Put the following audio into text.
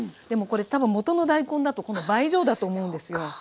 でもこれ多分もとの大根だとこの倍以上だと思うんですよ。